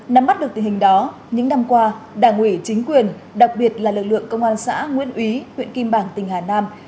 nắm bắt được tình hình đó những năm qua đảng ủy chính quyền đặc biệt là lực lượng công an xã nguyễn úy huyện kim bảng tỉnh hà nam